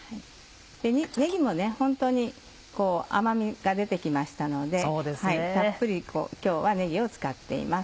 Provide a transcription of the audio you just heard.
ねぎもホントに甘みが出て来ましたのでたっぷり今日はねぎを使っています。